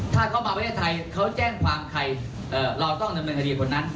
ถ้าเขามาประเทศไทยเขาแจ้งความใครเราต้องดำเนินคดีบนนั้น